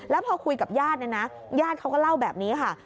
แล้วพอคุยกับญาติเนี่ยนะญาติเขาก็เล่าแบบนี้ค่ะ